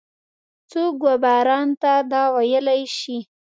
څوک وباران ته دا ویلای شي؟